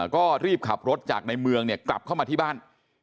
ก็รีบขับรถจากในเมืองกลับเข้ามาที่บ้าน